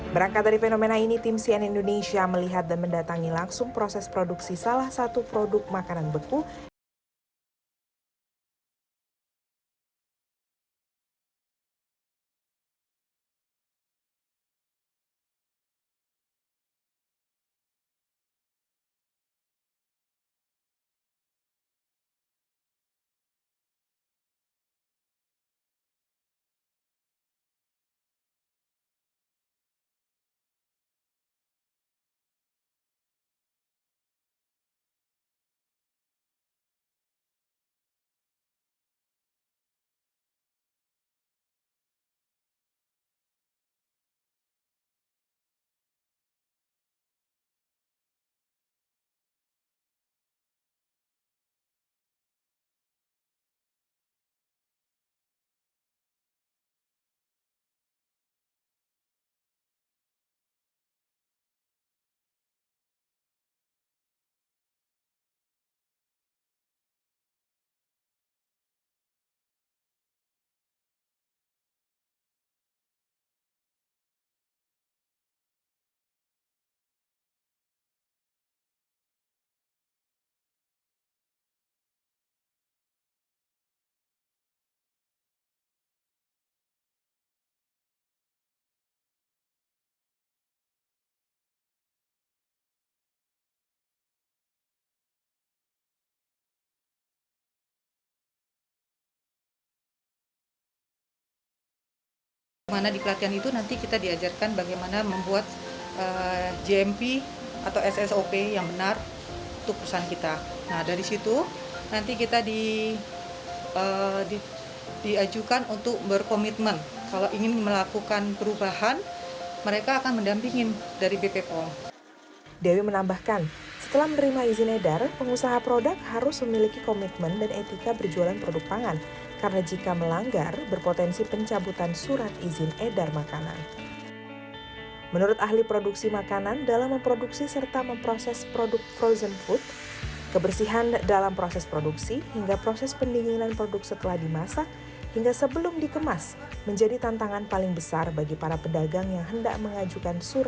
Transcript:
berangkat dari fenomena ini tim cn indonesia melihat dan mendatangi langsung proses produksi salah satu produk makanan beku